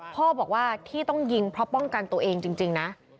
พ่อบอกว่าที่ต้องยิงเพราะป้องกันตัวเองจริงนะ